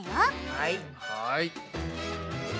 はい。